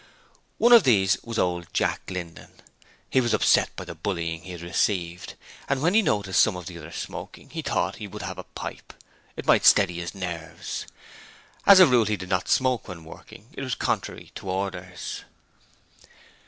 One of these was old Jack Linden. He was upset by the bullying he had received, and when he noticed some of the others smoking he thought he would have a pipe; it might steady his nerves. As a rule he did not smoke when working; it was contrary to orders.